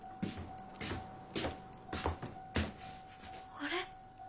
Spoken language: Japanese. あれ？